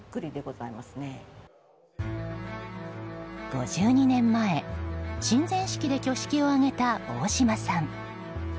５２年前神前式で挙式を挙げた大島さん。